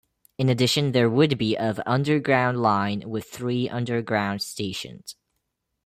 In addition there would be of underground line with three underground stations.